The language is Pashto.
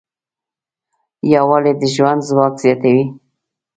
یووالی د ژوند ځواک زیاتوي.